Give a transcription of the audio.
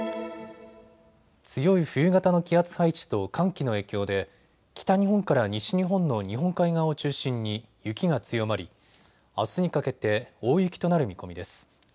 強い冬型の気圧配置と寒気の影響で北日本から西日本の日本海側を中心に雪が強まりあすにかけて大雪となる見込みです。